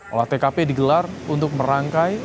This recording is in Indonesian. olah tkp digelar untuk merangkai